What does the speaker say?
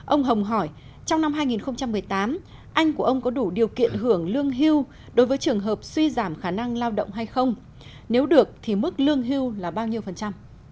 ông hồng hỏi trong năm hai nghìn một mươi tám anh của ông có đủ điều kiện hưởng lương hưu đối với trường hợp suy giảm khả năng lao động hay không nếu được thì mức lương hưu là bao nhiêu phần trăm